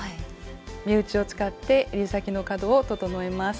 目打ちを使ってえり先の角を整えます。